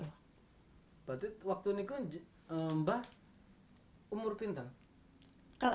berarti waktu itu mbak umur berapa